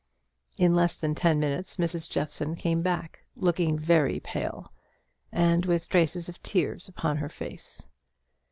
In less than ten minutes Mrs. Jeffson came back, looking very pale, and with traces of tears upon her face.